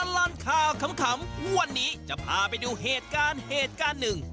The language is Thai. ตลอดข่าวขำวันนี้จะพาไปดูเหตุการณ์เหตุการณ์หนึ่ง